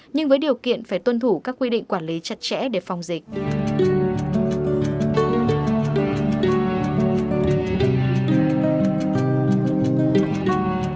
nhưng với điều kiện phải tuân thủ các quy định quản lý chặt chẽ để phòng dịch